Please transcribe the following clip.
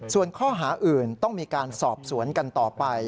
ส่วนข้อหาอื่นต้องมีการสอบสวนกันต่อไป